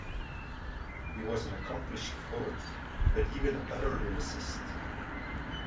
He was an accomplished poet, but even a better lyricist.